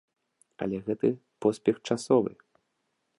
Але гэты поспех часовы.